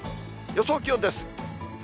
予想気温です。